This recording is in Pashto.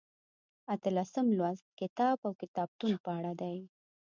اتلسم لوست کتاب او کتابتون په اړه دی.